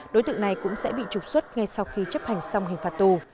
đối tượng này cũng sẽ bị trục xuất ngay sau khi chấp hành xong hình phạt tù